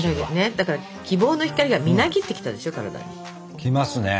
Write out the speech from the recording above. だから希望の光がみなぎってきたでしょ体に。来ますね。